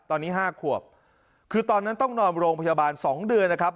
ตอนนี้ห้าขวบคือตอนนั้นต้องนอนโรงพยาบาล๒เดือนนะครับ